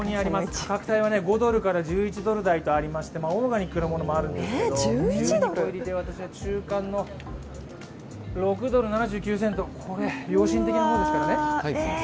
価格帯は５ドルから１１ドル台でしてオーガニックのものもありますけど１２個入りの中間の６ドル７９セント、これ、良心的な方ですからね。